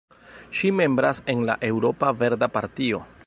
Ŝi membras en la Eŭropa Verda Partio.